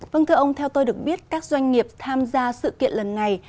vâng thưa ông theo tôi được biết các doanh nghiệp tham gia sự kiện lần này